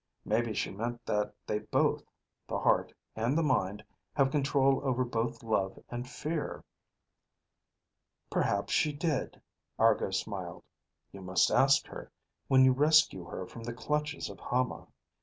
Maybe she meant that they both, the heart and the mind, have control over both love and fear." "Perhaps she did," Argo smiled. "You must ask her when you rescue her from the clutches of Hama."